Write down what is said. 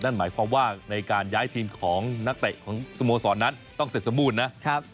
นั่นหมายความว่าในการย้ายทีมของนักเตะของสโมสรนั้นต้องเสร็จสมบูรณ์นะครับ